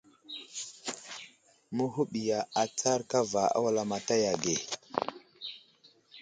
Məhuɓiya atsar kava a wulamataya ge.